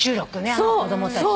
あの子供たちの。